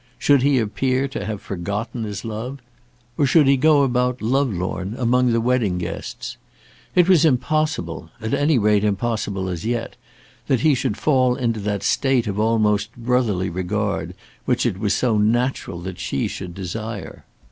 Should he appear to have forgotten his love, or should he go about lovelorn among the wedding guests? It was impossible, at any rate impossible as yet, that he should fall into that state of almost brotherly regard which it was so natural that she should desire.